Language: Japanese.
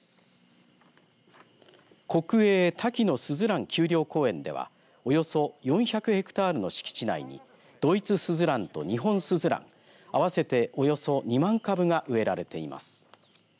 国営滝野すずらん丘陵公園ではおよそ４００ヘクタールの敷地内にドイツスズランとニホンスズラン合わせておよそ２万株が植えられています。